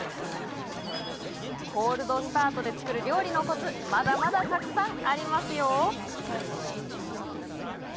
コールドスタートで作る料理のコツまだまだたくさんありますよ。